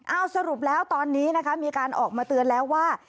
เอาสรุปแล้วตอนนี้นะคะมีการออกมาเตือนแล้วว่า